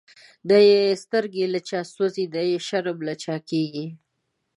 نه یی سترگی له چا سوځی، نه یی شرم له چا کیږی